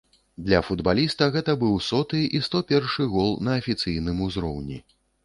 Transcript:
Для футбаліста гэта былі соты і сто першы гол на афіцыйным узроўні.